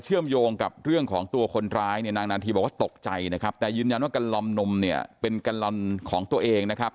แต่ยืนยันว่ากัลลอนนมเนี่ยเป็นกัลลอนของตัวเองนะครับ